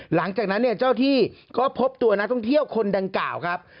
หลังจากนั้นเนี่ยเจ้าที่ก็พบตัวนักท่องเที่ยวคนดังกล่าวครับ